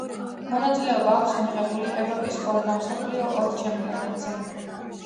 მონაწილეობა აქვს მიღებული ევროპის ორ და მსოფლიოს ორ ჩემპიონატზე.